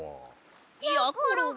やころが。